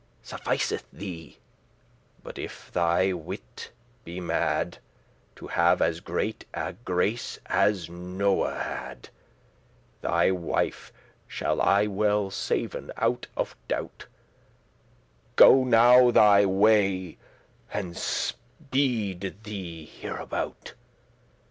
Sufficeth thee, *but if thy wit be mad*, *unless thou be To have as great a grace as Noe had; out of thy wits* Thy wife shall I well saven out of doubt. Go now thy way, and speed thee hereabout.